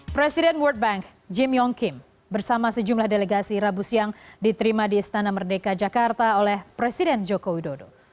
presiden world bank jim yong kim bersama sejumlah delegasi rabu siang diterima di istana merdeka jakarta oleh presiden joko widodo